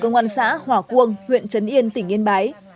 công an xã hỏa quân huyện trấn yên tỉnh yên bái